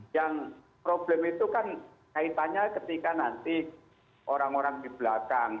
yang problem itu kan kaitannya ketika nanti orang orang di belakang